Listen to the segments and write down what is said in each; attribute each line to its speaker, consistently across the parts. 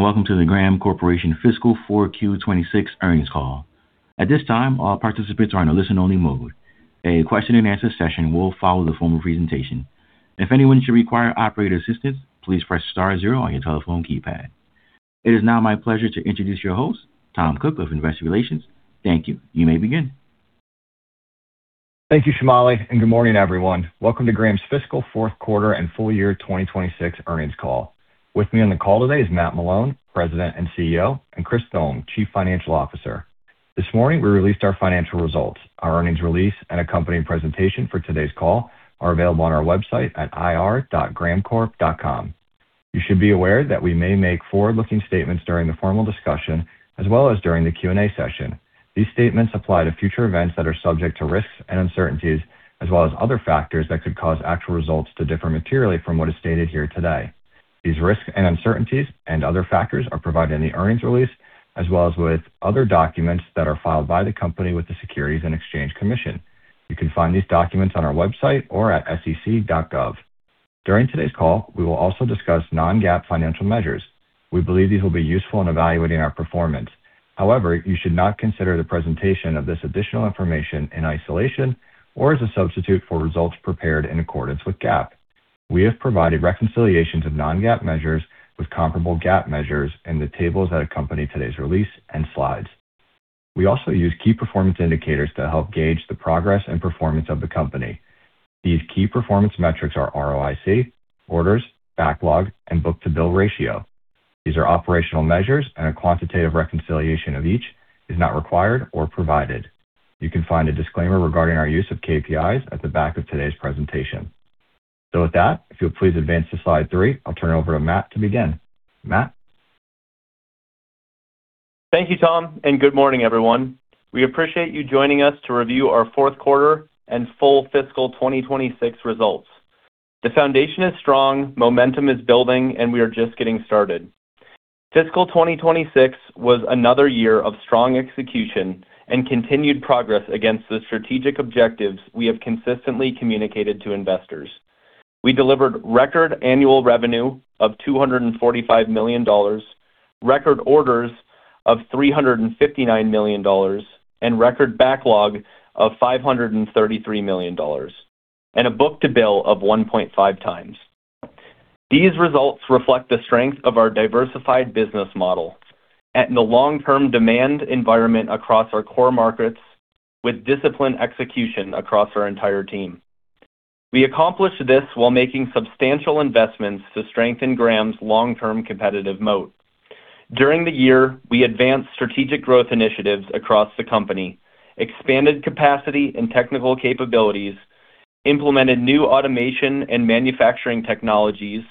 Speaker 1: Welcome to the Graham Corporation Fiscal 4Q 2026 Earnings Call. At this time, all participants are in a listen-only mode. A question-and-answer session will follow the formal presentation. If anyone should require operator assistance, please press star 0 on your telephone keypad. It is now my pleasure to introduce your host, Tom Cook of Investor Relations. Thank you. You may begin.
Speaker 2: Thank you, Shamali, and good morning, everyone. Welcome to Graham's fiscal fourth quarter and full year 2026 earnings call. With me on the call today is Matt Malone, President and CEO, and Chris Thome, Chief Financial Officer. This morning, we released our financial results. Our earnings release and accompanying presentation for today's call are available on our website at ir.grahamcorp.com. You should be aware that we may make forward-looking statements during the formal discussion, as well as during the Q&A session. These statements apply to future events that are subject to risks and uncertainties, as well as other factors that could cause actual results to differ materially from what is stated here today. These risks and uncertainties and other factors are provided in the earnings release, as well as with other documents that are filed by the company with the Securities and Exchange Commission. You can find these documents on our website or at sec.gov. During today's call, we will also discuss non-GAAP financial measures. We believe these will be useful in evaluating our performance. However, you should not consider the presentation of this additional information in isolation or as a substitute for results prepared in accordance with GAAP. We have provided reconciliations of non-GAAP measures with comparable GAAP measures in the tables that accompany today's release and slides. We also use key performance indicators to help gauge the progress and performance of the company. These key performance metrics are ROIC, orders, backlog, and book-to-bill ratio. These are operational measures, a quantitative reconciliation of each is not required or provided. You can find a disclaimer regarding our use of KPIs at the back of today's presentation. With that, if you'll please advance to slide three, I'll turn it over to Matt to begin. Matt?
Speaker 3: Thank you, Tom, and good morning, everyone. We appreciate you joining us to review our fourth quarter and full fiscal 2026 results. The foundation is strong, momentum is building, and we are just getting started. Fiscal 2026 was another year of strong execution and continued progress against the strategic objectives we have consistently communicated to investors. We delivered record annual revenue of $245 million, record orders of $359 million, and record backlog of $533 million, and a book-to-bill of 1.5x. These results reflect the strength of our diversified business model and the long-term demand environment across our core markets with disciplined execution across our entire team. We accomplished this while making substantial investments to strengthen Graham's long-term competitive moat. During the year, we advanced strategic growth initiatives across the company, expanded capacity and technical capabilities, implemented new automation and manufacturing technologies,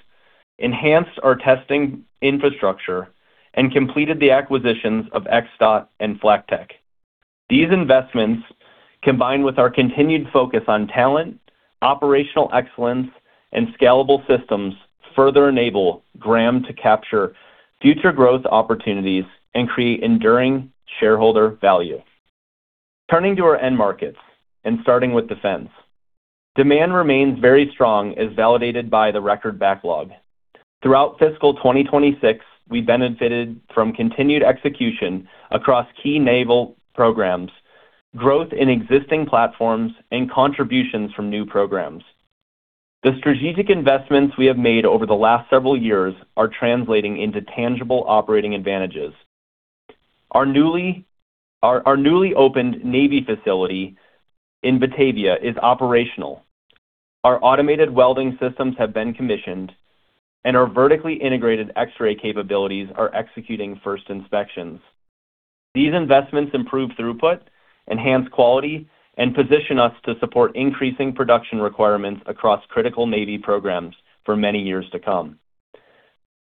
Speaker 3: enhanced our testing infrastructure, and completed the acquisitions of Xdot and FlackTek. These investments, combined with our continued focus on talent, operational excellence, and scalable systems, further enable Graham to capture future growth opportunities and create enduring shareholder value. Turning to our end markets and starting with defense. Demand remains very strong, as validated by the record backlog. Throughout fiscal 2026, we benefited from continued execution across key naval programs, growth in existing platforms, and contributions from new programs. The strategic investments we have made over the last several years are translating into tangible operating advantages. Our newly opened Navy facility in Batavia is operational. Our automated welding systems have been commissioned and our vertically integrated X-ray capabilities are executing first inspections. These investments improve throughput, enhance quality, and position us to support increasing production requirements across critical Navy programs for many years to come.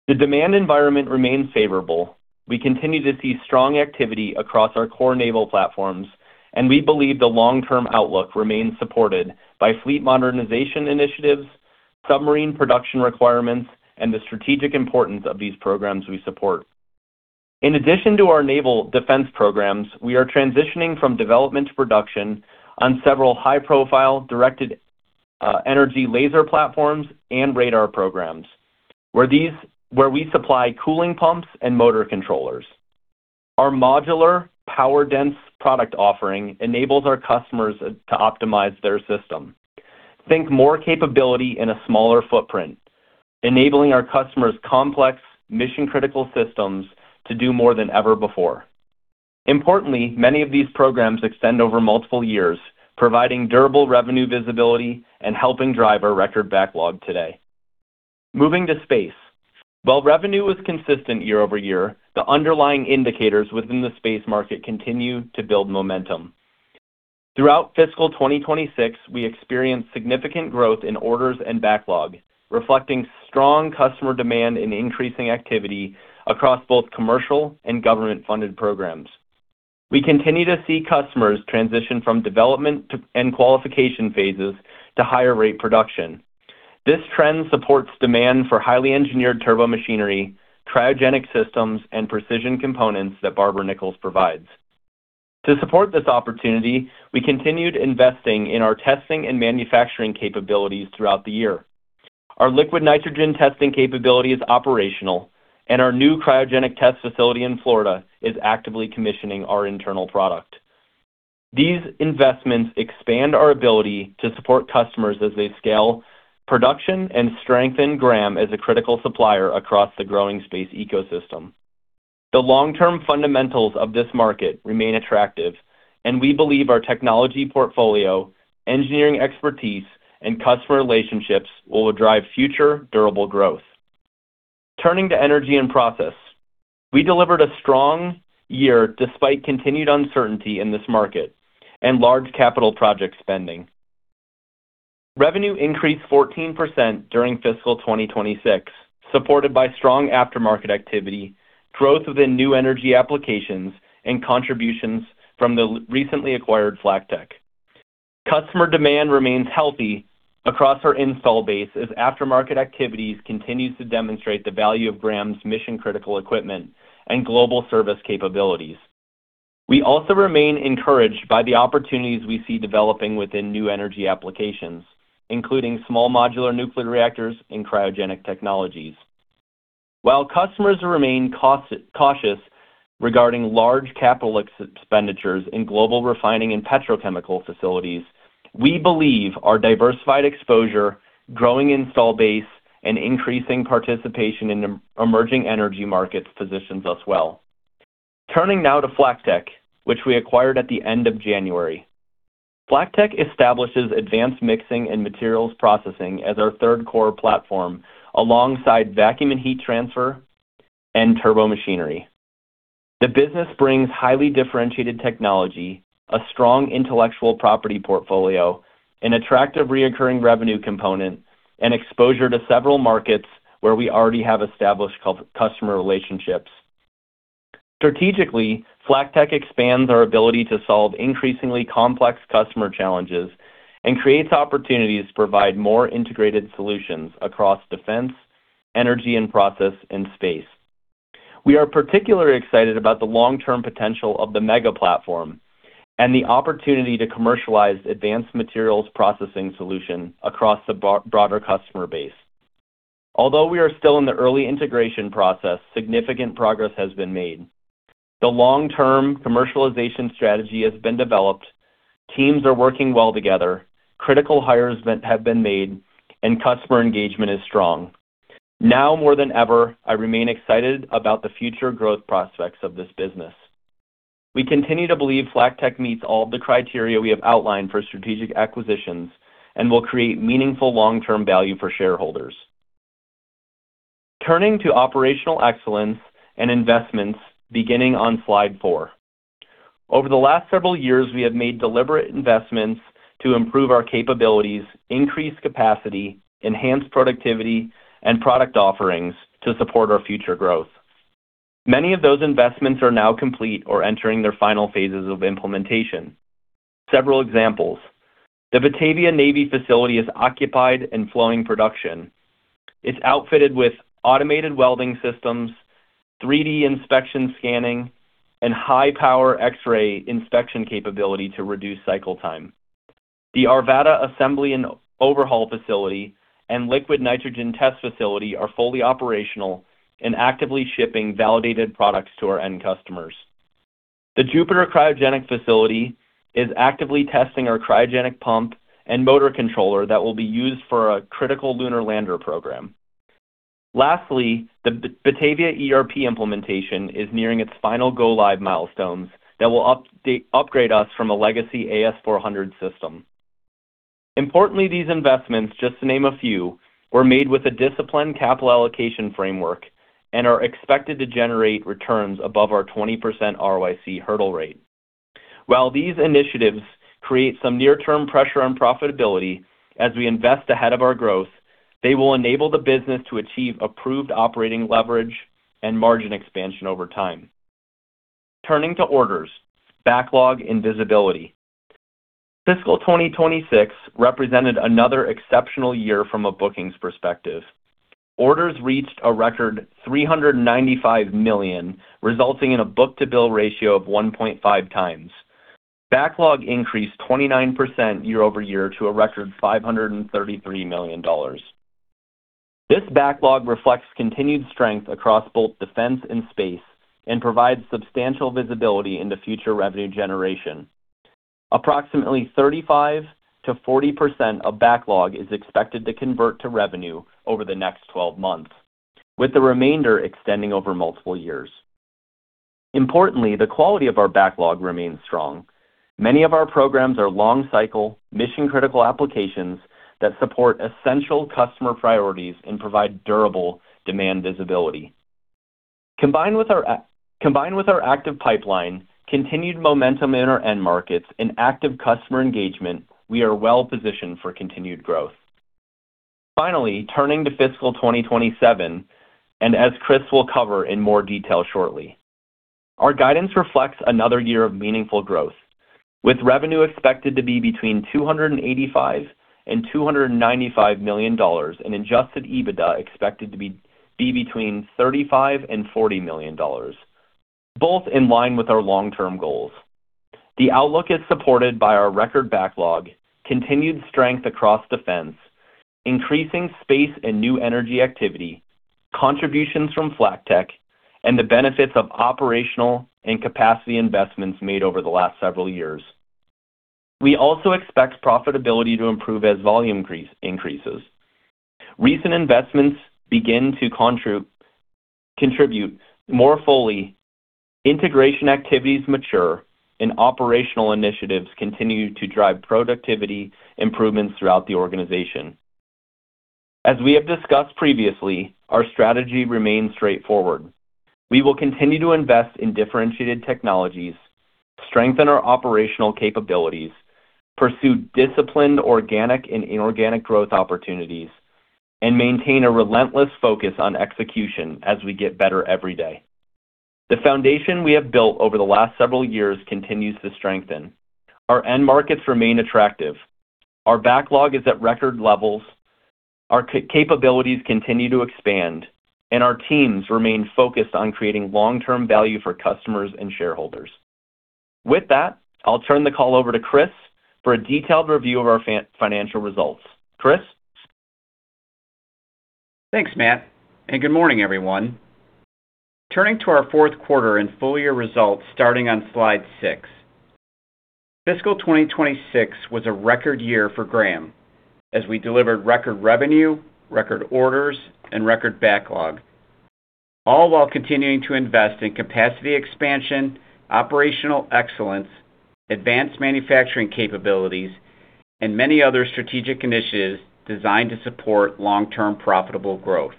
Speaker 3: The demand environment remains favorable. We continue to see strong activity across our core naval platforms, and we believe the long-term outlook remains supported by fleet modernization initiatives, submarine production requirements, and the strategic importance of these programs we support. In addition to our naval defense programs, we are transitioning from development to production on several high-profile directed energy laser platforms and radar programs where we supply cooling pumps and motor controllers. Our modular, power-dense product offering enables our customers to optimize their system. Think more capability in a smaller footprint, enabling our customers' complex mission-critical systems to do more than ever before. Importantly, many of these programs extend over multiple years, providing durable revenue visibility and helping drive our record backlog today. Moving to space. While revenue was consistent year-over-year, the underlying indicators within the space market continued to build momentum. Throughout fiscal 2026, we experienced significant growth in orders and backlog, reflecting strong customer demand and increasing activity across both commercial and government-funded programs. We continue to see customers transition from development and qualification phases to higher rate production. This trend supports demand for highly engineered turbomachinery, cryogenic systems, and precision components that Barber-Nichols provides. To support this opportunity, we continued investing in our testing and manufacturing capabilities throughout the year. Our liquid nitrogen testing capability is operational, and our new cryogenic test facility in Florida is actively commissioning our internal product. These investments expand our ability to support customers as they scale production and strengthen Graham as a critical supplier across the growing space ecosystem. The long-term fundamentals of this market remain attractive, we believe our technology portfolio, engineering expertise, and customer relationships will drive future durable growth. Turning to energy and process, we delivered a strong year despite continued uncertainty in this market and large capital project spending. Revenue increased 14% during fiscal 2026, supported by strong aftermarket activity, growth within new energy applications, and contributions from the recently acquired FlackTek. Customer demand remains healthy across our install base as aftermarket activities continues to demonstrate the value of Graham's mission-critical equipment and global service capabilities. We also remain encouraged by the opportunities we see developing within new energy applications, including small modular nuclear reactors and cryogenic technologies. While customers remain cautious regarding large capital expenditures in global refining and petrochemical facilities, we believe our diversified exposure, growing install base, and increasing participation in emerging energy markets positions us well. Turning now to FlackTek, which we acquired at the end of January. FlackTek establishes advanced mixing and materials processing as our third core platform alongside vacuum and heat transfer, and turbomachinery. The business brings highly differentiated technology, a strong intellectual property portfolio, an attractive reoccurring revenue component, and exposure to several markets where we already have established customer relationships. Strategically, FlackTek expands our ability to solve increasingly complex customer challenges and creates opportunities to provide more integrated solutions across defense, energy and process, and space. We are particularly excited about the long-term potential of the Mega platform and the opportunity to commercialize advanced materials processing solution across the broader customer base. Although we are still in the early integration process, significant progress has been made. The long-term commercialization strategy has been developed, teams are working well together, critical hires have been made, customer engagement is strong. Now more than ever, I remain excited about the future growth prospects of this business. We continue to believe FlackTek meets all the criteria we have outlined for strategic acquisitions and will create meaningful long-term value for shareholders. Turning to operational excellence and investments beginning on slide four. Over the last several years, we have made deliberate investments to improve our capabilities, increase capacity, enhance productivity and product offerings to support our future growth. Many of those investments are now complete or entering their final phases of implementation. Several examples. The Batavia Navy facility is occupied and flowing production. It's outfitted with automated welding systems, 3D inspection scanning, high-power X-ray inspection capability to reduce cycle time. The Arvada Assembly and Overhaul facility and liquid nitrogen test facility are fully operational and actively shipping validated products to our end customers. The Jupiter Cryogenic facility is actively testing our cryogenic pump and motor controller that will be used for a critical lunar lander program. Importantly, the Batavia ERP implementation is nearing its final go-live milestones that will upgrade us from a legacy AS/400 system. These investments, just to name a few, were made with a disciplined capital allocation framework and are expected to generate returns above our 20% ROIC hurdle rate. While these initiatives create some near-term pressure on profitability as we invest ahead of our growth, they will enable the business to achieve approved operating leverage and margin expansion over time. Turning to orders, backlog, and visibility. Fiscal 2026 represented another exceptional year from a bookings perspective. Orders reached a record $395 million, resulting in a book-to-bill ratio of 1.5x. Backlog increased 29% year-over-year to a record $533 million. This backlog reflects continued strength across both defense and space and provides substantial visibility into future revenue generation. Approximately 35%-40% of backlog is expected to convert to revenue over the next 12 months, with the remainder extending over multiple years. Importantly, the quality of our backlog remains strong. Many of our programs are long-cycle, mission-critical applications that support essential customer priorities and provide durable demand visibility. Combined with our active pipeline, continued momentum in our end markets, and active customer engagement, we are well positioned for continued growth. Finally, turning to fiscal 2027, and as Chris will cover in more detail shortly. Our guidance reflects another year of meaningful growth. With revenue expected to be between $285 million-$295 million and adjusted EBITDA expected to be between $35 million-$40 million, both in line with our long-term goals. The outlook is supported by our record backlog, continued strength across defense, increasing space and new energy activity, contributions from FlackTek, and the benefits of operational and capacity investments made over the last several years. We also expect profitability to improve as volume increases, recent investments begin to contribute more fully, integration activities mature, and operational initiatives continue to drive productivity improvements throughout the organization. As we have discussed previously, our strategy remains straightforward. We will continue to invest in differentiated technologies, strengthen our operational capabilities, pursue disciplined organic and inorganic growth opportunities, and maintain a relentless focus on execution as we get better every day. The foundation we have built over the last several years continues to strengthen. Our end markets remain attractive. Our backlog is at record levels. Our capabilities continue to expand, and our teams remain focused on creating long-term value for customers and shareholders. With that, I'll turn the call over to Chris for a detailed review of our financial results. Chris?
Speaker 4: Thanks, Matt, and good morning, everyone. Turning to our fourth quarter and full-year results starting on slide six. Fiscal 2026 was a record year for Graham, as we delivered record revenue, record orders, and record backlog, all while continuing to invest in capacity expansion, operational excellence, advanced manufacturing capabilities, and many other strategic initiatives designed to support long-term profitable growth.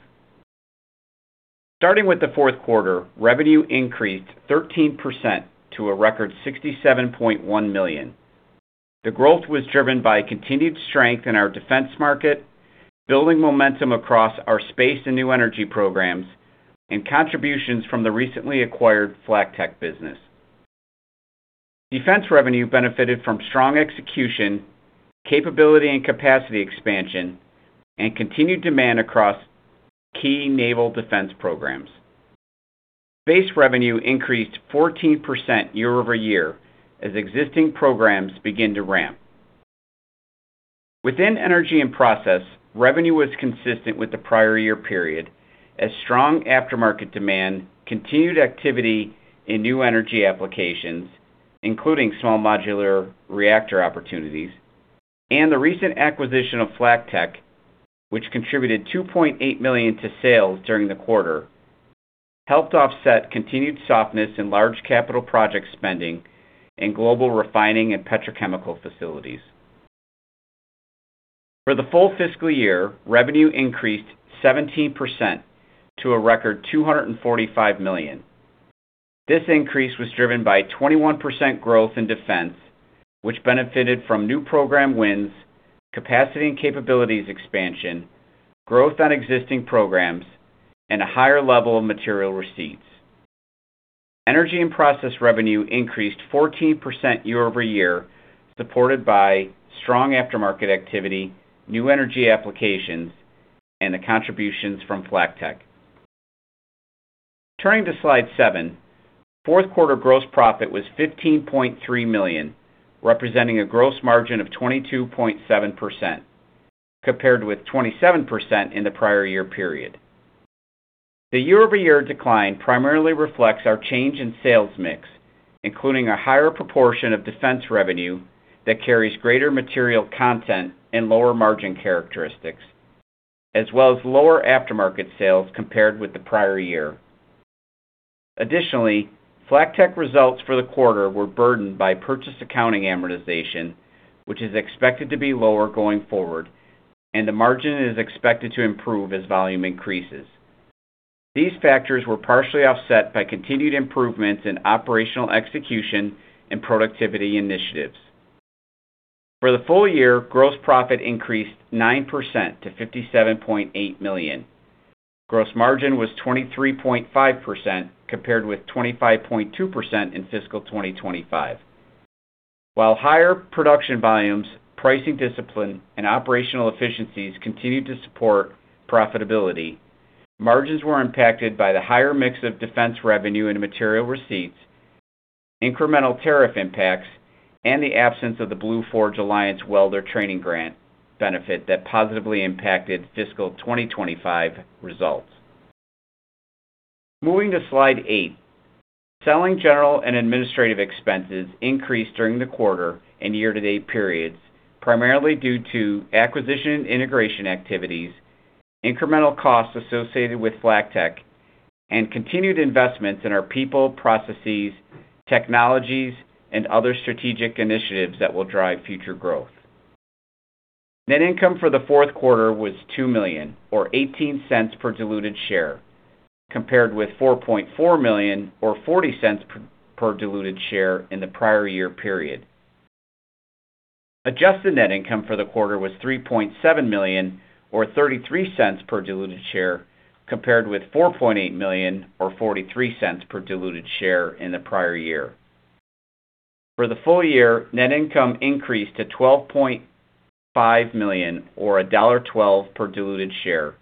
Speaker 4: Starting with the fourth quarter, revenue increased 13% to a record $67.1 million. The growth was driven by continued strength in our defense market, building momentum across our space and new energy programs, and contributions from the recently acquired FlackTek business. Defense revenue benefited from strong execution, capability and capacity expansion, and continued demand across key naval defense programs. Space revenue increased 14% year-over-year as existing programs begin to ramp. Within energy and process, revenue was consistent with the prior year period as strong aftermarket demand, continued activity in new energy applications, including small modular reactor opportunities, and the recent acquisition of FlackTek, which contributed $2.8 million to sales during the quarter, helped offset continued softness in large capital project spending in global refining and petrochemical facilities. For the full fiscal year, revenue increased 17% to a record $245 million. This increase was driven by 21% growth in defense, which benefited from new program wins, capacity and capabilities expansion, growth on existing programs, and a higher level of material receipts. Energy and process revenue increased 14% year-over-year, supported by strong aftermarket activity, new energy applications, and the contributions from FlackTek. Turning to slide seven, fourth quarter gross profit was $15.3 million, representing a gross margin of 22.7%, compared with 27% in the prior year period. The year-over-year decline primarily reflects our change in sales mix, including a higher proportion of defense revenue that carries greater material content and lower margin characteristics, as well as lower aftermarket sales compared with the prior year. Additionally, FlackTek results for the quarter were burdened by purchase accounting amortization, which is expected to be lower going forward, and the margin is expected to improve as volume increases. These factors were partially offset by continued improvements in operational execution and productivity initiatives. For the full year, gross profit increased 9% to $57.8 million. Gross margin was 23.5%, compared with 25.2% in fiscal 2025. While higher production volumes, pricing discipline, and operational efficiencies continued to support profitability, margins were impacted by the higher mix of defense revenue and material receipts, incremental tariff impacts, and the absence of the BlueForge Alliance Welder Training Grant benefit that positively impacted fiscal 2025 results. Moving to slide eight, selling general and administrative expenses increased during the quarter and year-to-date periods, primarily due to acquisition integration activities, incremental costs associated with FlackTek, and continued investments in our people, processes, technologies, and other strategic initiatives that will drive future growth. Net income for the fourth quarter was $2 million, or $0.18 per diluted share, compared with $4.4 million or $0.40 per diluted share in the prior year period. Adjusted net income for the quarter was $3.7 million, or $0.33 per diluted share, compared with $4.8 million or $0.43 per diluted share in the prior year. For the full year, net income increased to $12.5 million, or $1.12 per diluted share,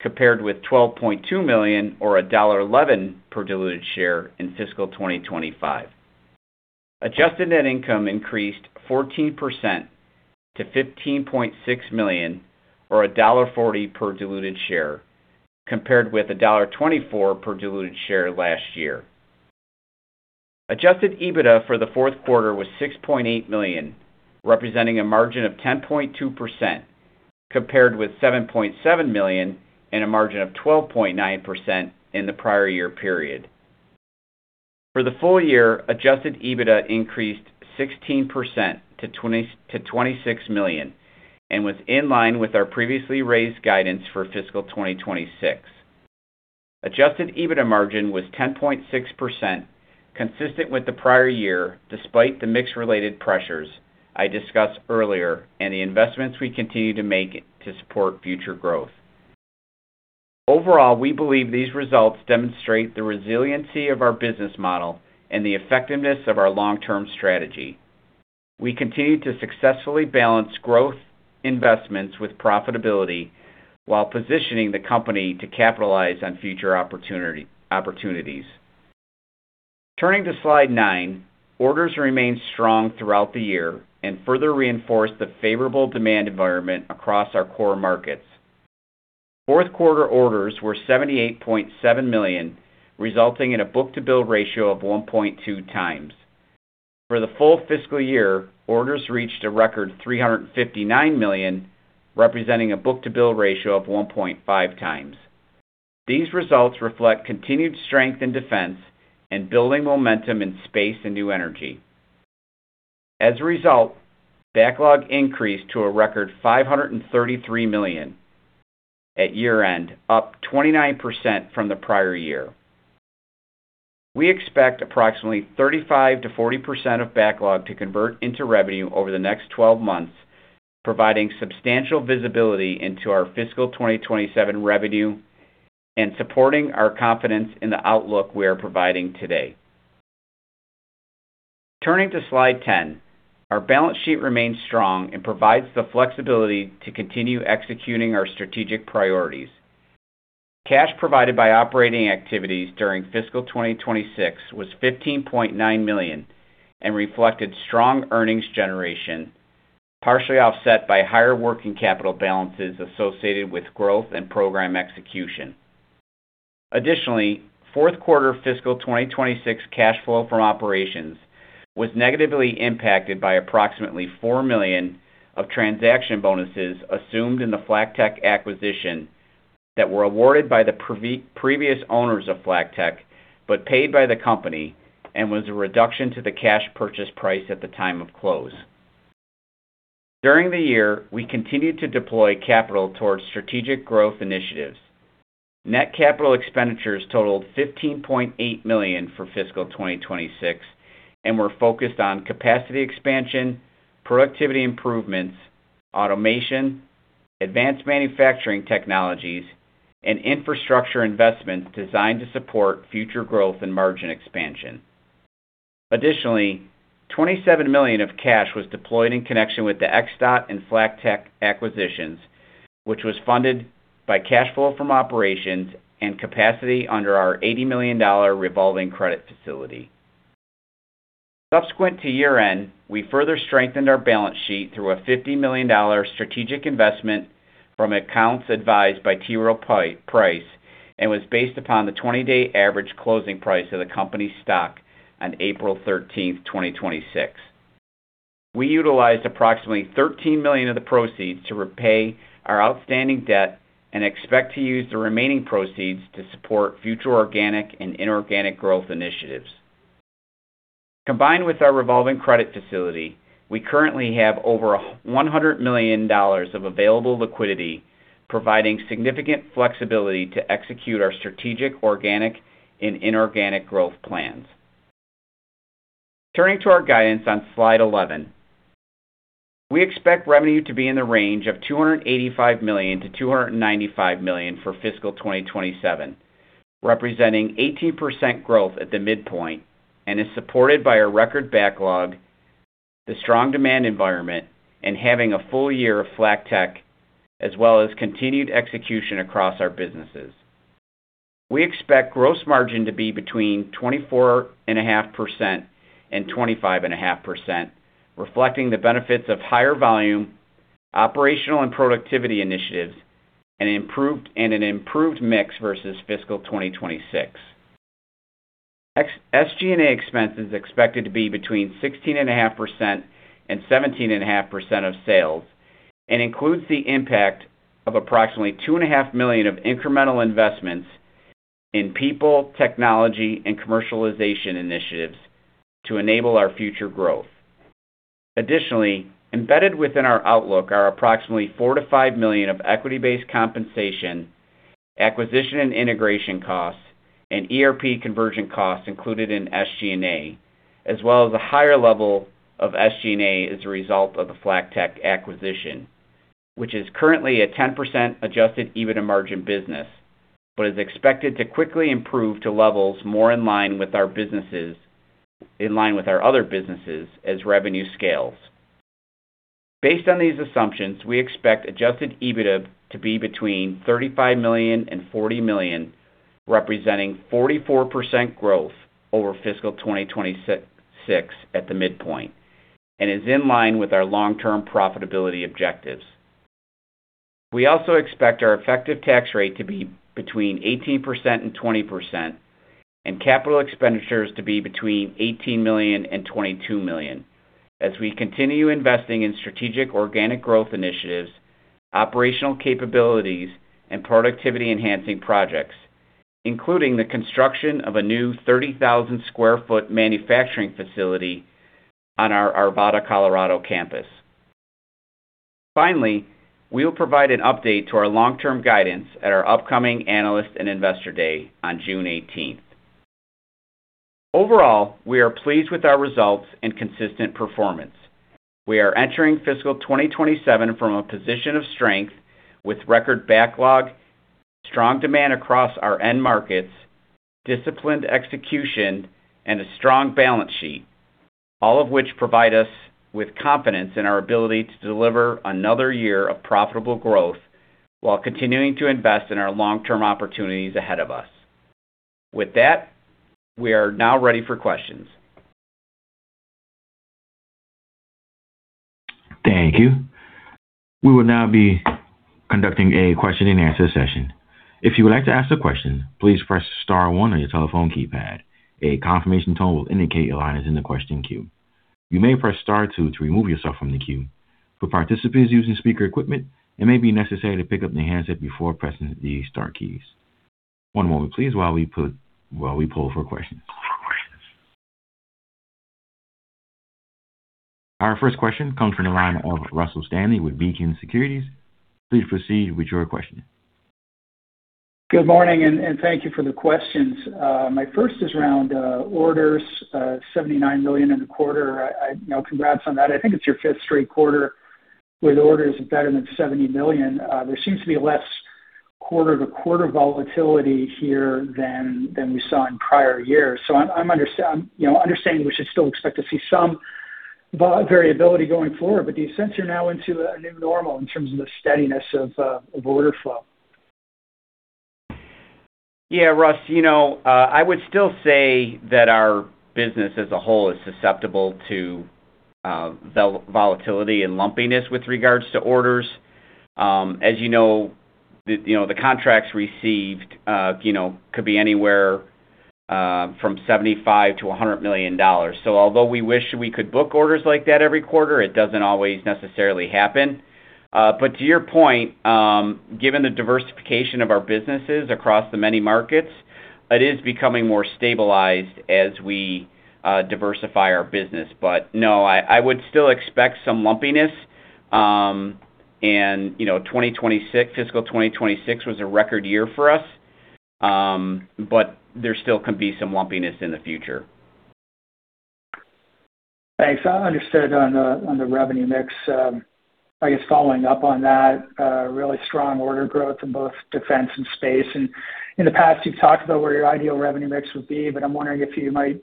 Speaker 4: compared with $12.2 million or $1.11 per diluted share in fiscal 2025. Adjusted net income increased 14% to $15.6 million, or $1.40 per diluted share, compared with $1.24 per diluted share last year. Adjusted EBITDA for the fourth quarter was $6.8 million, representing a margin of 10.2%, compared with $7.7 million and a margin of 12.9% in the prior year period. For the full year, adjusted EBITDA increased 16% to $26 million and was in line with our previously raised guidance for fiscal 2026. Adjusted EBITDA margin was 10.6%, consistent with the prior year, despite the mix-related pressures I discussed earlier, and the investments we continue to make to support future growth. Overall, we believe these results demonstrate the resiliency of our business model and the effectiveness of our long-term strategy. We continue to successfully balance growth investments with profitability while positioning the company to capitalize on future opportunities. Turning to slide nine, orders remained strong throughout the year and further reinforced the favorable demand environment across our core markets. Fourth quarter orders were $78.7 million, resulting in a book-to-bill ratio of 1.2x. For the full fiscal year, orders reached a record $359 million, representing a book-to-bill ratio of 1.5x. These results reflect continued strength in Defense and building momentum in Space and New Energy. As a result, backlog increased to a record $533 million at year-end, up 29% from the prior year. We expect approximately 35%-40% of backlog to convert into revenue over the next 12 months, providing substantial visibility into our fiscal 2027 revenue and supporting our confidence in the outlook we are providing today. Turning to slide 10, our balance sheet remains strong and provides the flexibility to continue executing our strategic priorities. Cash provided by operating activities during fiscal 2026 was $15.9 million and reflected strong earnings generation, partially offset by higher working capital balances associated with growth and program execution. Additionally, fourth quarter fiscal 2026 cash flow from operations was negatively impacted by approximately $4 million of transaction bonuses assumed in the FlackTek acquisition that were awarded by the previous owners of FlackTek, but paid by the company and was a reduction to the cash purchase price at the time of close. During the year, we continued to deploy capital towards strategic growth initiatives. Net capital expenditures totaled $15.8 million for fiscal 2026 and were focused on capacity expansion, productivity improvements, automation, advanced manufacturing technologies, and infrastructure investments designed to support future growth and margin expansion. Additionally, $27 million of cash was deployed in connection with the Xdot and FlackTek acquisitions, which was funded by cash flow from operations and capacity under our $80 million revolving credit facility. Subsequent to year-end, we further strengthened our balance sheet through a $50 million strategic investment from accounts advised by T. Rowe Price and was based upon the 20-day average closing price of the company's stock on April 13th, 2026. We utilized approximately $13 million of the proceeds to repay our outstanding debt and expect to use the remaining proceeds to support future organic and inorganic growth initiatives. Combined with our revolving credit facility, we currently have over $100 million of available liquidity, providing significant flexibility to execute our strategic organic and inorganic growth plans. Turning to our guidance on Slide 11. We expect revenue to be in the range of $285 million-$295 million for fiscal 2027, representing 18% growth at the midpoint, and is supported by our record backlog, the strong demand environment, and having a full year of FlackTek, as well as continued execution across our businesses. We expect gross margin to be between 24.5%-25.5%, reflecting the benefits of higher volume, operational and productivity initiatives, and an improved mix versus fiscal 2026. SG&A expense is expected to be between 16.5%-17.5% of sales and includes the impact of approximately two and a half million of incremental investments in people, technology, and commercialization initiatives to enable our future growth. Additionally, embedded within our outlook are approximately $4 million-$5 million of equity-based compensation Acquisition and integration costs and ERP conversion costs included in SG&A, as well as a higher level of SG&A as a result of the FlackTek acquisition, which is currently a 10% adjusted EBITDA margin business, but is expected to quickly improve to levels more in line with our other businesses as revenue scales. Based on these assumptions, we expect adjusted EBITDA to be between $35 million and $40 million, representing 44% growth over FY 2026 at the midpoint, and is in line with our long-term profitability objectives. We also expect our effective tax rate to be between 18% and 20%, and capital expenditures to be between $18 million and $22 million, as we continue investing in strategic organic growth initiatives, operational capabilities, and productivity-enhancing projects, including the construction of a new 30,000 sq ft manufacturing facility on our Arvada, Colorado campus. Finally, we will provide an update to our long-term guidance at our upcoming Analyst and Investor Day on June 18th. Overall, we are pleased with our results and consistent performance. We are entering FY 2027 from a position of strength with record backlog, strong demand across our end markets, disciplined execution, and a strong balance sheet, all of which provide us with confidence in our ability to deliver another year of profitable growth while continuing to invest in our long-term opportunities ahead of us. With that, we are now ready for questions.
Speaker 1: Thank you. We will now be conducting a Q&A session. If you would like to ask a question, please press star one on your telephone keypad. A confirmation tone will indicate your line is in the question queue. You may press star two to remove yourself from the queue. For participants using speaker equipment, it may be necessary to pick up the handset before pressing the star keys. One moment, please, while we poll for questions. Our first question comes from the line of Russell Stanley with Beacon Securities. Please proceed with your question.
Speaker 5: Good morning. Thank you for the questions. My first is around orders, $79 million in the quarter. Congrats on that. I think it's your fifth straight quarter with orders better than $70 million. There seems to be less quarter-to-quarter volatility here than we saw in prior years. I'm understanding we should still expect to see some variability going forward, but do you sense you're now into a new normal in terms of the steadiness of order flow?
Speaker 4: Russ, I would still say that our business as a whole is susceptible to volatility and lumpiness with regards to orders. As you know, the contracts received could be anywhere from $75 million-$100 million. Although we wish we could book orders like that every quarter, it doesn't always necessarily happen. To your point, given the diversification of our businesses across the many markets, it is becoming more stabilized as we diversify our business. But no, I would still expect some lumpiness. Fiscal 2026 was a record year for us, but there still can be some lumpiness in the future.
Speaker 5: Thanks. Understood on the revenue mix. I guess following up on that, really strong order growth in both defense and space. In the past, you've talked about where your ideal revenue mix would be, but I'm wondering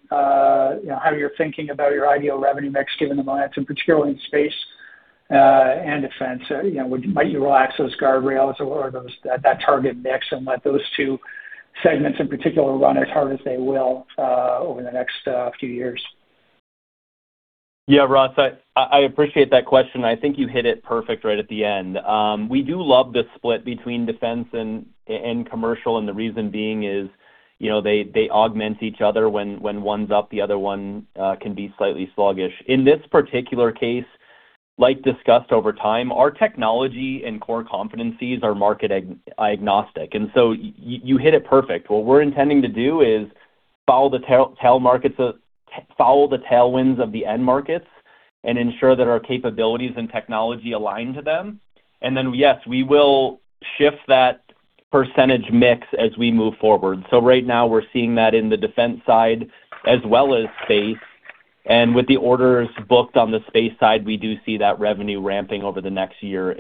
Speaker 5: how you're thinking about your ideal revenue mix given the momentum, particularly in space and defense. Might you relax those guardrails or that target mix and let those two segments in particular run as hard as they will over the next few years?
Speaker 3: Russ, I appreciate that question. I think you hit it perfect right at the end. We do love the split between defense and commercial, the reason being is they augment each other. When one's up, the other one can be slightly sluggish. In this particular case, like discussed over time, our technology and core competencies are market agnostic, you hit it perfect. What we're intending to do is follow the tailwinds of the end markets and ensure that our capabilities and technology align to them. Then, yes, we will shift that percentage mix as we move forward. Right now we're seeing that in the defense side as well as space. With the orders booked on the space side, we do see that revenue ramping over the next years.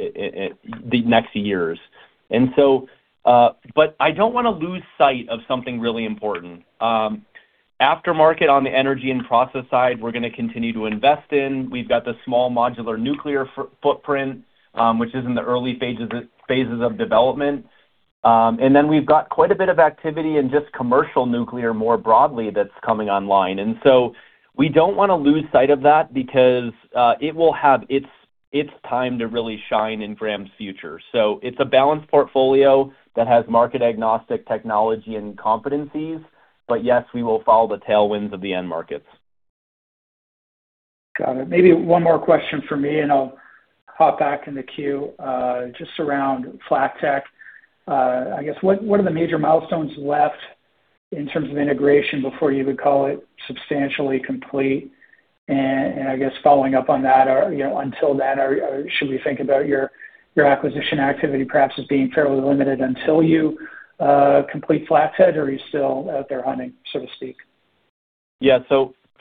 Speaker 3: But I don't want to lose sight of something really important. Aftermarket on the energy and process side, we're going to continue to invest in. We've got the small modular nuclear footprint, which is in the early phases of development. Then we've got quite a bit of activity in just commercial nuclear more broadly that's coming online. We don't want to lose sight of that because it will have its time to really shine in Graham's future. It's a balanced portfolio that has market-agnostic technology and competencies. Yes, we will follow the tailwinds of the end markets.
Speaker 5: Got it. Maybe one more question from me and I'll hop back in the queue, just around FlackTek. I guess, what are the major milestones left in terms of integration before you would call it substantially complete, and I guess following up on that, until then, should we think about your acquisition activity perhaps as being fairly limited until you complete FlackTek, or are you still out there hunting, so to speak?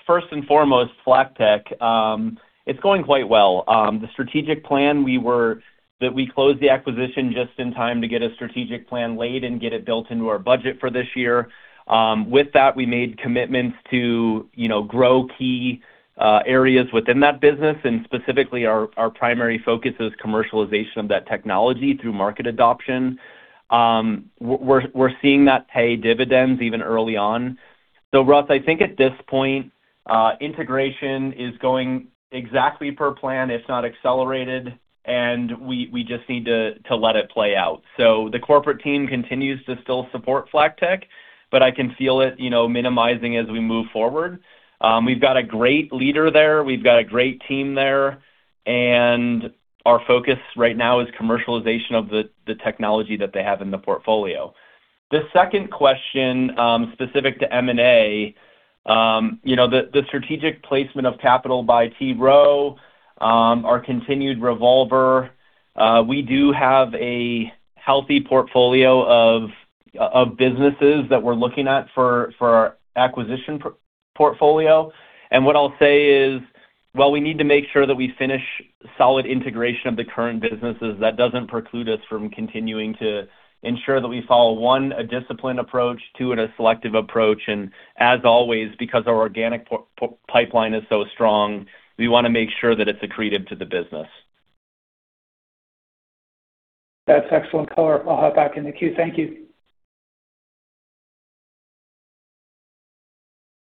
Speaker 3: First and foremost, FlackTek. It's going quite well. The strategic plan, we closed the acquisition just in time to get a strategic plan laid and get it built into our budget for this year. With that, we made commitments to grow key areas within that business. Specifically, our primary focus is commercialization of that technology through market adoption. We're seeing that pay dividends even early on. Russ, I think at this point, integration is going exactly per plan, if not accelerated. We just need to let it play out. The corporate team continues to still support FlackTek, but I can feel it minimizing as we move forward. We've got a great leader there. We've got a great team there, and our focus right now is commercialization of the technology that they have in the portfolio. The second question, specific to M&A, the strategic placement of capital by T. Rowe, our continued revolver, we do have a healthy portfolio of businesses that we're looking at for our acquisition portfolio. What I'll say is, while we need to make sure that we finish solid integration of the current businesses, that doesn't preclude us from continuing to ensure that we follow, one, a disciplined approach, two, and a selective approach. As always, because our organic pipeline is so strong, we want to make sure that it's accretive to the business.
Speaker 5: That's excellent color. I'll hop back in the queue. Thank you.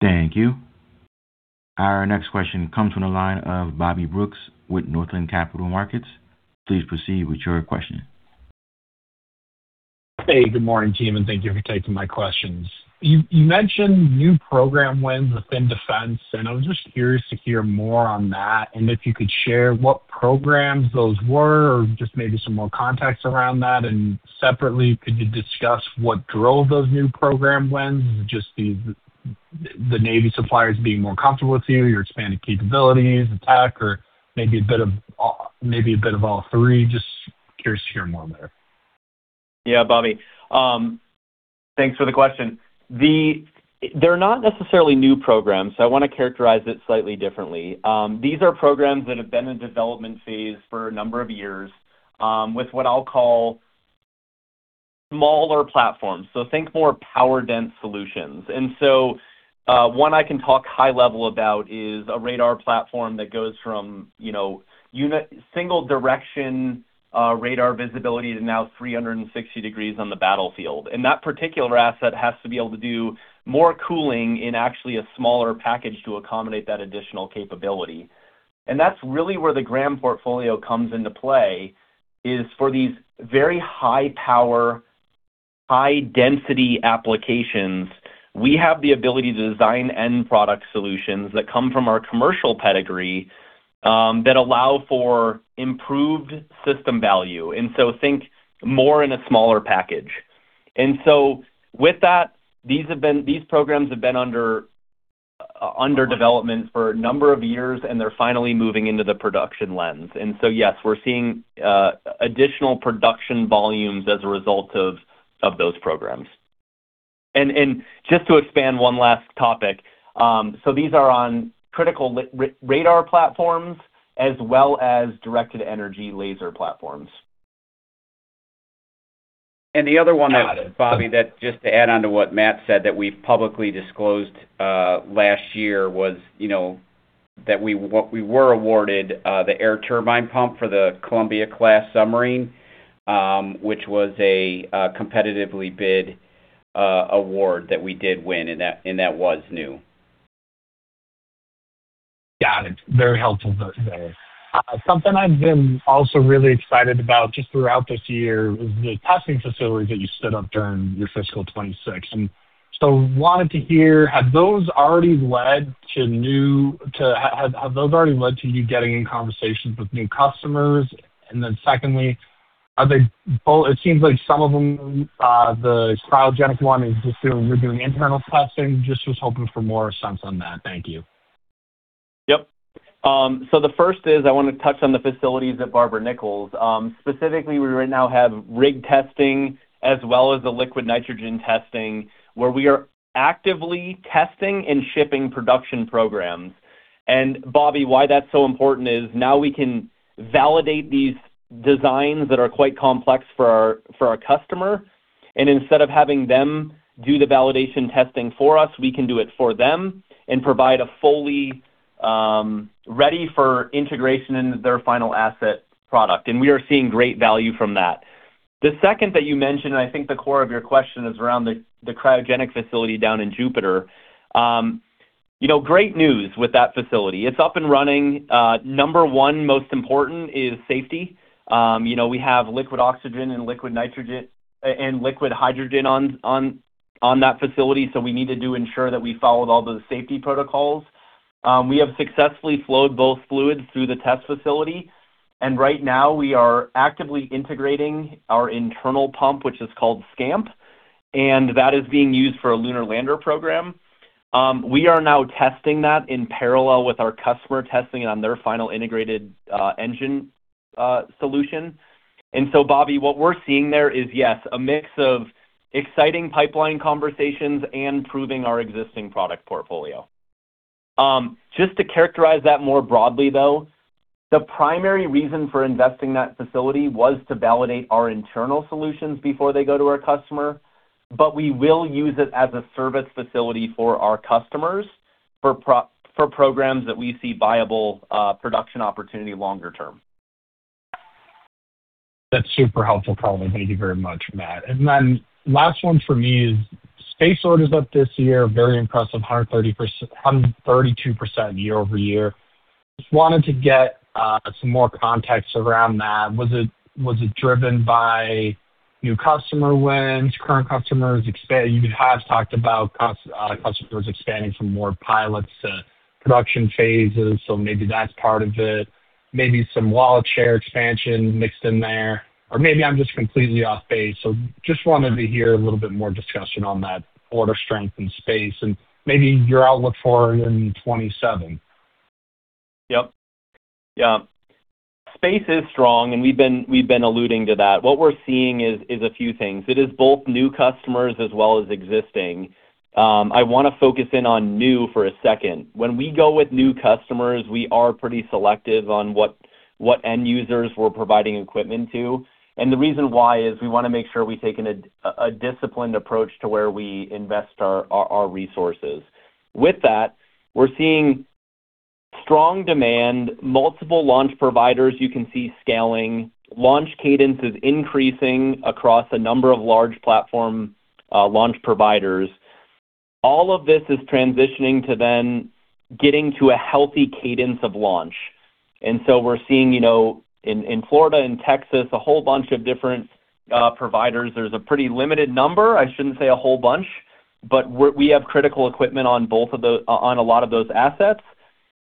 Speaker 1: Thank you. Our next question comes from the line of Bobby Brooks with Northland Capital Markets. Please proceed with your question.
Speaker 6: Hey, good morning, team. Thank you for taking my questions. You mentioned new program wins within defense. I was just curious to hear more on that, and if you could share what programs those were or just maybe some more context around that. Separately, could you discuss what drove those new program wins? Is it just the Navy suppliers being more comfortable with you, your expanded capabilities, the tech, or maybe a bit of all three? Just curious to hear more there.
Speaker 3: Yeah, Bobby. Thanks for the question. They're not necessarily new programs. I want to characterize it slightly differently. These are programs that have been in development phase for a number of years with what I'll call smaller platforms. Think more power-dense solutions. One I can talk high level about is a radar platform that goes from single direction radar visibility to now 360 degrees on the battlefield. That particular asset has to be able to do more cooling in actually a smaller package to accommodate that additional capability. That's really where the Graham portfolio comes into play, is for these very high power, high density applications, we have the ability to design end product solutions that come from our commercial pedigree that allow for improved system value. Think more in a smaller package. With that, these programs have been under development for a number of years, and they're finally moving into the production lens. Yes, we're seeing additional production volumes as a result of those programs. Just to expand one last topic. These are on critical radar platforms as well as directed energy laser platforms.
Speaker 4: The other one, Bobby, just to add on to what Matt said, that we've publicly disclosed last year was that we were awarded the air turbine pump for the Columbia-class submarine, which was a competitively bid award that we did win, and that was new.
Speaker 6: Got it. Very helpful there. Something I've been also really excited about just throughout this year was the testing facilities that you stood up during your fiscal 2026. Wanted to hear, have those already led to you getting in conversations with new customers? Then secondly, it seems like some of them, the cryogenic one is just you're doing internal testing. Just was hoping for more sense on that. Thank you.
Speaker 3: The first is I want to touch on the facilities at Barber-Nichols. Specifically, we right now have rig testing as well as the liquid nitrogen testing where we are actively testing and shipping production programs. Bobby, why that's so important is now we can validate these designs that are quite complex for our customer. Instead of having them do the validation testing for us, we can do it for them and provide a fully ready for integration into their final asset product. We are seeing great value from that. The second that you mentioned, I think the core of your question is around the cryogenic facility down in Jupiter. Great news with that facility. It's up and running. Number 1 most important is safety. We have liquid oxygen and liquid hydrogen on that facility, so we need to ensure that we followed all the safety protocols. We have successfully flowed both fluids through the test facility, right now we are actively integrating our internal pump, which is called SCAMP, that is being used for a lunar lander program. We are now testing that in parallel with our customer testing it on their final integrated engine solution. Bobby, what we're seeing there is, yes, a mix of exciting pipeline conversations and proving our existing product portfolio. Just to characterize that more broadly, though, the primary reason for investing in that facility was to validate our internal solutions before they go to our customer, but we will use it as a service facility for our customers for programs that we see viable production opportunity longer term.
Speaker 6: That's super helpful, color. Thank you very much, Matt. Last one for me is space orders up this year, very impressive, 132% year-over-year. Just wanted to get some more context around that. Was it driven by new customer wins, current customers expand? You have talked about customers expanding from more pilots to production phases, maybe that's part of it. Maybe some wallet share expansion mixed in there, maybe I'm just completely off base. Just wanted to hear a little bit more discussion on that order strength in space and maybe your outlook for in 2027.
Speaker 3: Yep. Yeah. Space is strong we've been alluding to that. What we're seeing is a few things. It is both new customers as well as existing. I want to focus in on new for a second. When we go with new customers, we are pretty selective on what end users we're providing equipment to, the reason why is we want to make sure we take a disciplined approach to where we invest our resources. With that, we're seeing strong demand, multiple launch providers you can see scaling, launch cadence is increasing across a number of large platform launch providers. All of this is transitioning to then getting to a healthy cadence of launch. We're seeing in Florida and Texas, a whole bunch of different providers. There's a pretty limited number, I shouldn't say a whole bunch, we have critical equipment on a lot of those assets.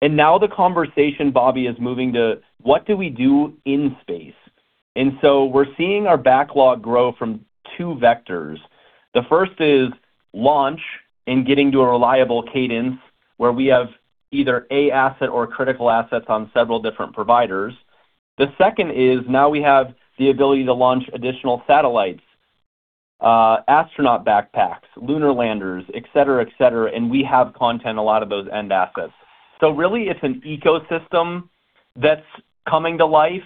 Speaker 3: Now the conversation, Bobby, is moving to what do we do in space? We're seeing our backlog grow from two vectors. The first is launch and getting to a reliable cadence where we have either a asset or critical assets on several different providers. The second is now we have the ability to launch additional satellites, astronaut backpacks, lunar landers, et cetera. We have content, a lot of those end assets. Really it's an ecosystem that's coming to life.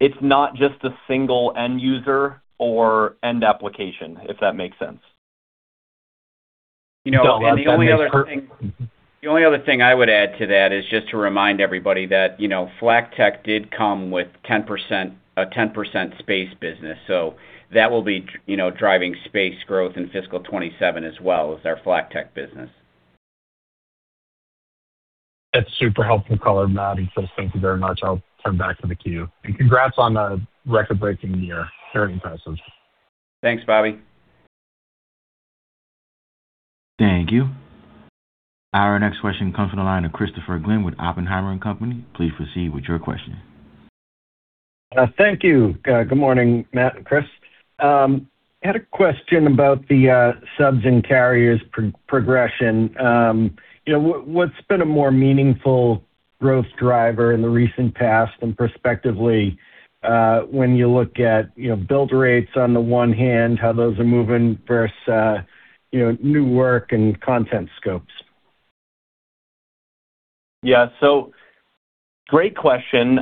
Speaker 3: It's not just a single end user or end application, if that makes sense.
Speaker 4: The only other thing I would add to that is just to remind everybody that FlackTek did come with a 10% space business. That will be driving space growth in FY 2027 as well as our FlackTek business.
Speaker 6: That's super helpful, color, Matt. Chris, thank you very much. I'll turn back to the queue and congrats on a record-breaking year. Very impressive.
Speaker 4: Thanks, Bobby.
Speaker 1: Thank you. Our next question comes from the line of Christopher Glynn with Oppenheimer & Co. Please proceed with your question.
Speaker 7: Thank you. Good morning, Matt and Chris. I had a question about the subs and carriers progression. What's been a more meaningful growth driver in the recent past and prospectively when you look at build rates on the one hand, how those are moving versus new work and content scopes?
Speaker 3: Yeah. Great question.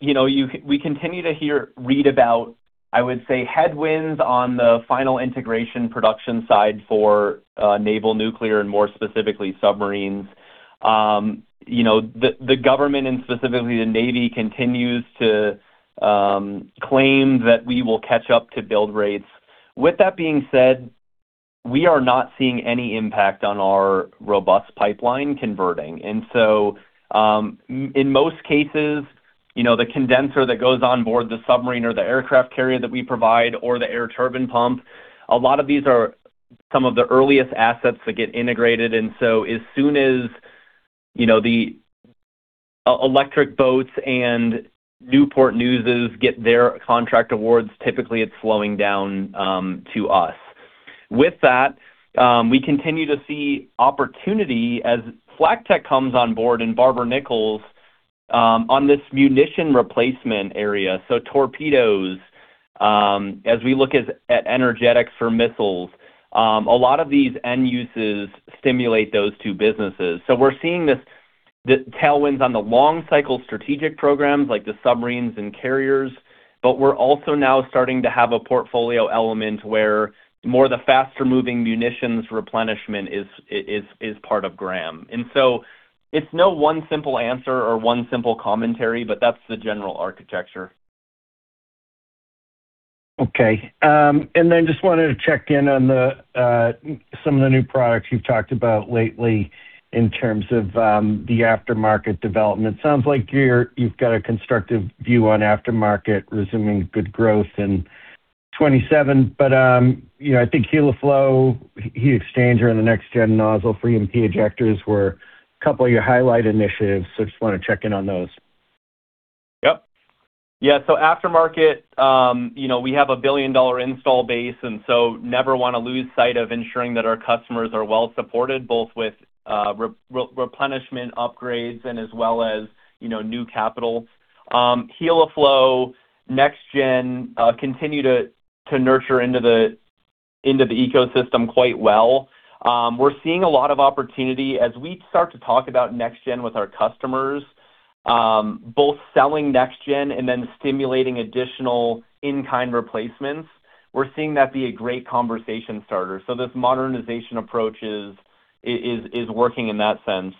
Speaker 3: We continue to read about, I would say, headwinds on the final integration production side for naval nuclear and more specifically submarines. The government and specifically the Navy continues to claim that we will catch up to build rates. With that being said, we are not seeing any impact on our robust pipeline converting. In most cases, the condenser that goes on board the submarine or the aircraft carrier that we provide or the air turbine pump, a lot of these are some of the earliest assets that get integrated. As soon as Electric Boat and Newport News' get their contract awards, typically it's flowing down to us. With that, we continue to see opportunity as FlackTek comes on board and Barber-Nichols on this munition replacement area. Torpedoes, as we look at energetics for missiles a lot of these end uses stimulate those two businesses. We're seeing this, the tailwinds on the long cycle strategic programs like the submarines and carriers, but we're also now starting to have a portfolio element where more the faster-moving munitions replenishment is part of Graham. It's no one simple answer or one simple commentary, but that's the general architecture.
Speaker 7: Okay. Just wanted to check in on some of the new products you've talked about lately in terms of the aftermarket development. Sounds like you've got a constructive view on aftermarket resuming good growth and 2027. I think Heliflow heat exchanger and the Next Gen nozzle 3MP ejectors were a couple of your highlight initiatives, just want to check in on those.
Speaker 3: Yep. Yeah, aftermarket, we have a billion-dollar install base, never want to lose sight of ensuring that our customers are well-supported, both with replenishment upgrades and as well as new capital. Heliflow, NextGen continue to nurture into the ecosystem quite well. We're seeing a lot of opportunity as we start to talk about NextGen with our customers, both selling NextGen and then stimulating additional in-kind replacements. We're seeing that be a great conversation starter. This modernization approach is working in that sense.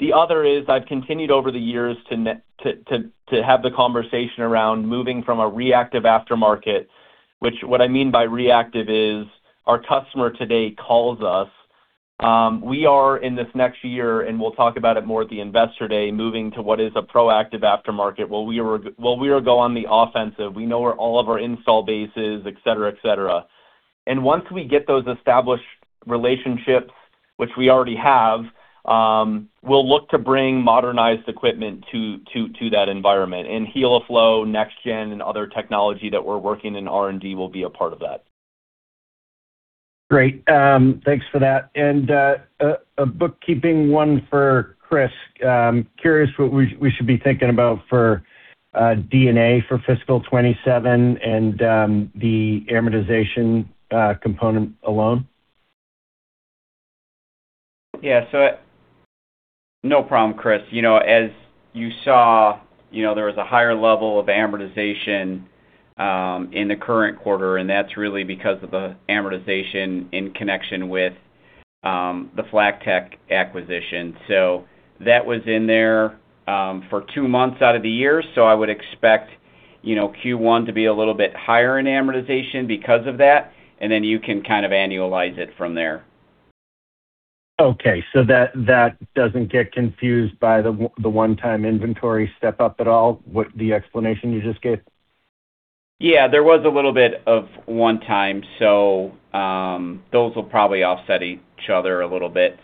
Speaker 3: The other is I've continued over the years to have the conversation around moving from a reactive aftermarket, which what I mean by reactive is our customer today calls us. We are in this next year, and we'll talk about it more at the investor day, moving to what is a proactive aftermarket, where we will go on the offensive. We know where all of our installed base is, et cetera. Once we get those established relationships, which we already have, we will look to bring modernized equipment to that environment. Heliflow, NextGen, and other technology that we are working in R&D will be a part of that.
Speaker 7: Great. Thanks for that. A bookkeeping one for Chris. Curious what we should be thinking about for D&A for fiscal 2027 and the amortization component alone.
Speaker 4: No problem, Chris. As you saw, there was a higher level of amortization in the current quarter, and that is really because of the amortization in connection with the FlackTek acquisition. That was in there for two months out of the year, so I would expect Q1 to be a little bit higher in amortization because of that, then you can kind of annualize it from there.
Speaker 7: Okay. That does not get confused by the one-time inventory step up at all, with the explanation you just gave?
Speaker 4: Yeah, there was a little bit of one time. Those will probably offset each other a little bit.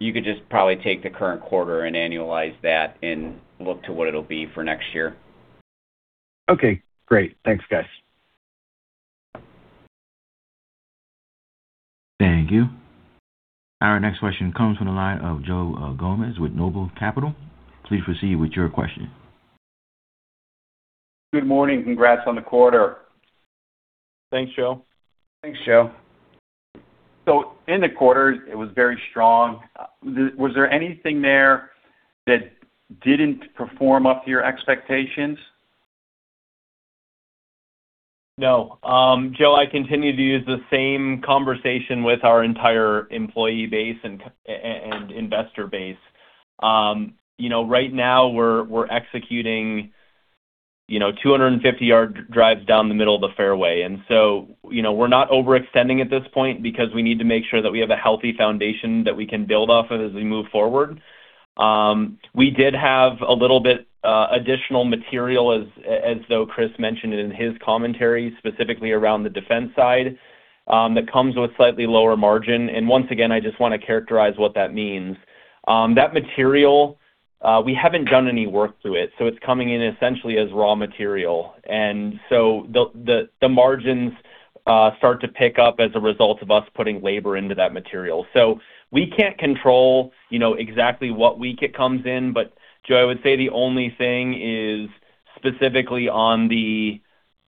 Speaker 4: You could just probably take the current quarter and annualize that and look to what it'll be for next year.
Speaker 7: Okay, great. Thanks, guys.
Speaker 1: Thank you. Our next question comes from the line of Joe Gomes with NOBLE Capital. Please proceed with your question.
Speaker 8: Good morning. Congrats on the quarter.
Speaker 3: Thanks, Joe.
Speaker 4: Thanks, Joe.
Speaker 8: In the quarter, it was very strong. Was there anything there that didn't perform up to your expectations?
Speaker 3: No. Joe, I continue to use the same conversation with our entire employee base and investor base. Right now we're executing 250-yard drives down the middle of the fairway. We're not overextending at this point because we need to make sure that we have a healthy foundation that we can build off of as we move forward. We did have a little bit additional material as though Chris mentioned it in his commentary, specifically around the defense side, that comes with slightly lower margin. Once again, I just want to characterize what that means. That material, we haven't done any work to it, so it's coming in essentially as raw material. The margins start to pick up as a result of us putting labor into that material. We can't control exactly what week it comes in, Joe, I would say the only thing is specifically on the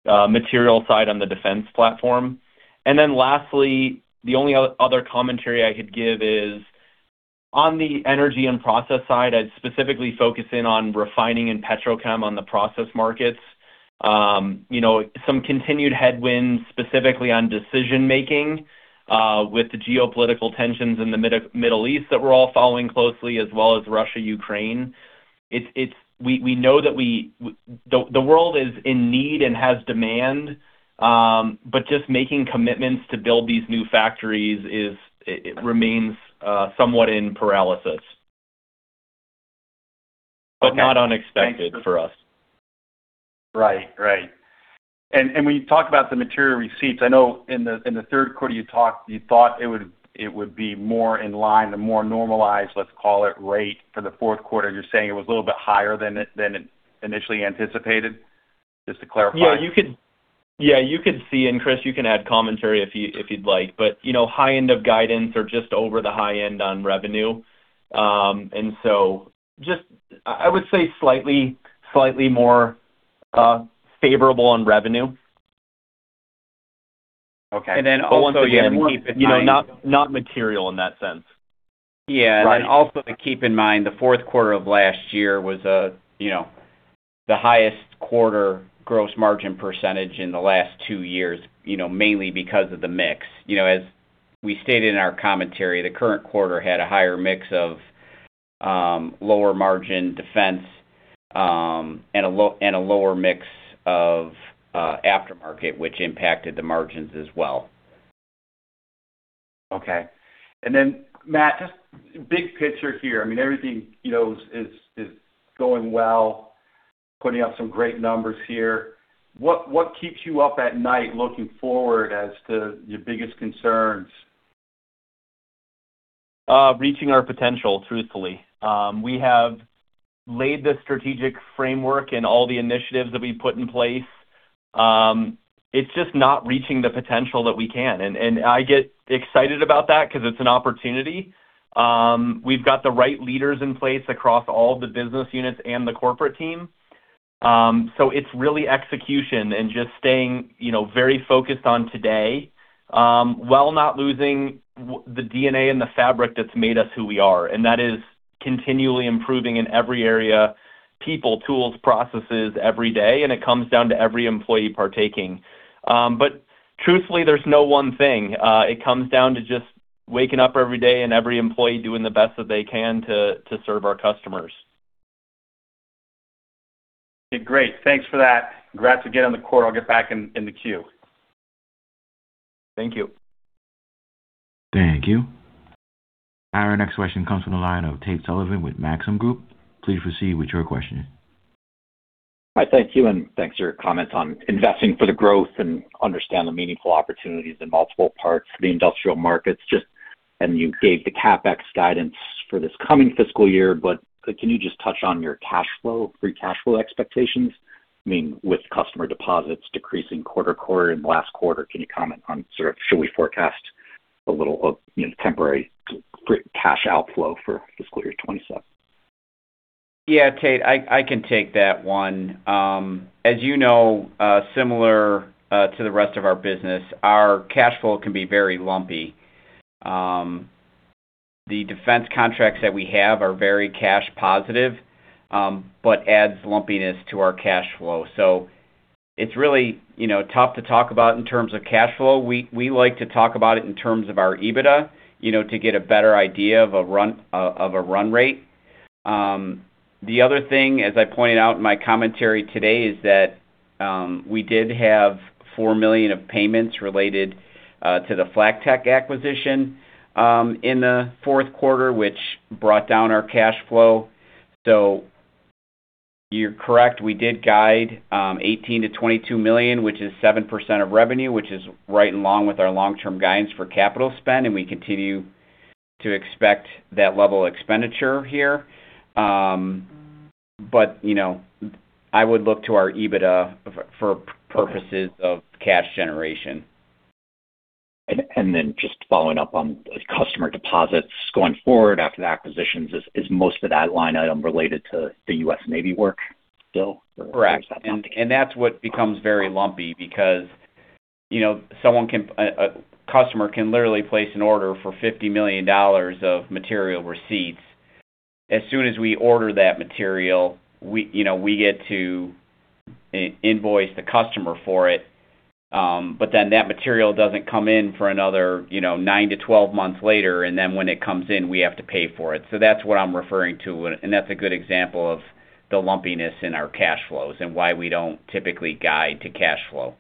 Speaker 3: material side on the defense platform. Lastly, the only other commentary I could give is on the energy and process side, I'd specifically focus in on refining and petrochem on the process markets. Some continued headwinds, specifically on decision making, with the geopolitical tensions in the Middle East that we're all following closely, as well as Russia, Ukraine. We know that the world is in need and has demand, but just making commitments to build these new factories, it remains somewhat in paralysis.
Speaker 8: Okay.
Speaker 3: Not unexpected for us.
Speaker 8: Right. When you talk about the material receipts, I know in the third quarter, you thought it would be more in line, the more normalized, let's call it, rate for the fourth quarter. You're saying it was a little bit higher than initially anticipated? Just to clarify.
Speaker 3: Yeah, you could see, Chris, you can add commentary if you'd like, high end of guidance or just over the high end on revenue. Just, I would say slightly more favorable on revenue.
Speaker 8: Okay.
Speaker 3: Once again.
Speaker 4: Also to keep in mind.
Speaker 3: Not material in that sense.
Speaker 4: Yeah.
Speaker 8: Right.
Speaker 4: Also to keep in mind, the fourth quarter of last year was the highest quarter gross margin percentage in the last two years, mainly because of the mix. As we stated in our commentary, the current quarter had a higher mix of lower margin defense, and a lower mix of aftermarket, which impacted the margins as well.
Speaker 8: Okay. Matt, just big picture here. Everything is going well, putting up some great numbers here. What keeps you up at night looking forward as to your biggest concerns?
Speaker 3: Reaching our potential, truthfully. We have laid the strategic framework and all the initiatives that we've put in place. It's just not reaching the potential that we can. I get excited about that because it's an opportunity. We've got the right leaders in place across all the business units and the corporate team. It's really execution and just staying very focused on today, while not losing the D&A and the fabric that's made us who we are. That is continually improving in every area, people, tools, processes every day, and it comes down to every employee partaking. Truthfully, there's no one thing. It comes down to just waking up every day and every employee doing the best that they can to serve our customers.
Speaker 8: Great. Thanks for that. Congrats again on the quarter. I'll get back in the queue.
Speaker 3: Thank you.
Speaker 1: Thank you. Our next question comes from the line of Tate Sullivan with Maxim Group. Please proceed with your questioning.
Speaker 9: Hi. Thank you, and thanks for your comments on investing for the growth and understand the meaningful opportunities in multiple parts of the industrial markets. You gave the CapEx guidance for this coming fiscal year, but can you just touch on your cash flow, free cash flow expectations? With customer deposits decreasing quarter-to-quarter in the last quarter, can you comment on sort of should we forecast a little temporary cash outflow for fiscal year 2027?
Speaker 4: Yeah, Tate, I can take that one. As you know, similar to the rest of our business, our cash flow can be very lumpy. The defense contracts that we have are very cash positive, but adds lumpiness to our cash flow. It's really tough to talk about in terms of cash flow. We like to talk about it in terms of our EBITDA, to get a better idea of a run rate. The other thing, as I pointed out in my commentary today, is that we did have $4 million of payments related to the FlackTek acquisition in the fourth quarter, which brought down our cash flow. You're correct. We did guide $18 million-$22 million, which is 7% of revenue, which is right in line with our long-term guidance for capital spend, and we continue to expect that level of expenditure here. I would look to our EBITDA for purposes of cash generation.
Speaker 9: Just following up on customer deposits going forward after the acquisitions, is most of that line item related to the U.S. Navy work still?
Speaker 4: Correct. That's what becomes very lumpy because a customer can literally place an order for $50 million of material receipts. As soon as we order that material, we get to invoice the customer for it, that material doesn't come in for another 9-12 months later, when it comes in, we have to pay for it. That's what I'm referring to, that's a good example of the lumpiness in our cash flows and why we don't typically guide to cash flow.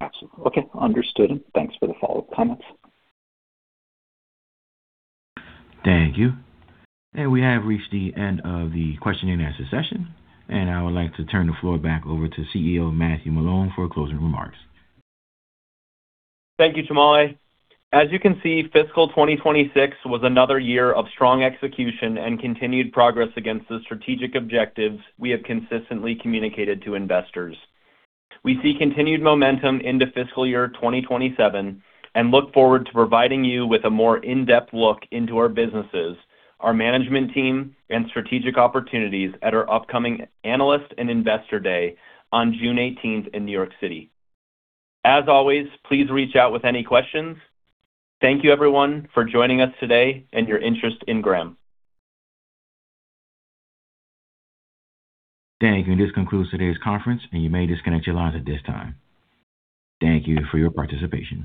Speaker 9: Absolutely. Okay. Understood, thanks for the follow-up comments.
Speaker 1: Thank you. We have reached the end of the Q&A session, I would like to turn the floor back over to CEO Matthew Malone for closing remarks.
Speaker 3: Thank you, Shamali. As you can see, fiscal 2026 was another year of strong execution and continued progress against the strategic objectives we have consistently communicated to investors. We see continued momentum into fiscal year 2027 and look forward to providing you with a more in-depth look into our businesses, our management team, and strategic opportunities at our upcoming Analyst and Investor Day on June 18th in New York City. As always, please reach out with any questions. Thank you, everyone, for joining us today and your interest in Graham.
Speaker 1: Thank you. This concludes today's conference, and you may disconnect your lines at this time. Thank you for your participation.